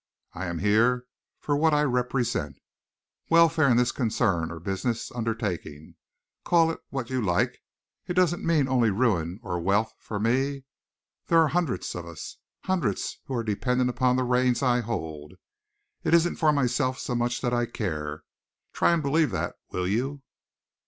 I am here for what I represent. Welfare in this concern or business undertaking call it what you like doesn't mean only ruin or wealth for me. There are hundreds of us, hundreds who are dependent upon the reins I hold. It isn't for myself so much that I care. Try and believe that, will you?"